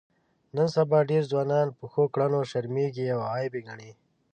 نن سبا ډېر ځوانان په ښو کړنو شرمېږي او عیب یې ګڼي.